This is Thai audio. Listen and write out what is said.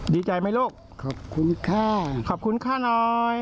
ดีใจไหมลูกขอบคุณค่ะขอบคุณค่ะหน่อย